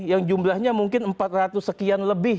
yang jumlahnya mungkin empat ratus sekian lebih